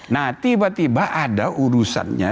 nah tiba tiba ada urusannya